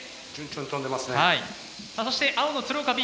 さあそして青の鶴岡Ｂ